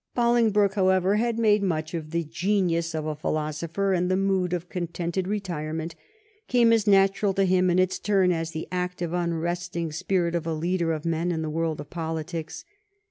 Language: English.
Bolingbroke, however, had much of the genius of a philosopher, and the mood of contented retirement came as natural to him in its turn as the active, unresting spirit of a leader of men in the world of politics.